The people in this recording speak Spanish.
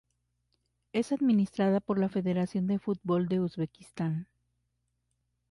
Es administrada por la Federación de Fútbol de Uzbekistán.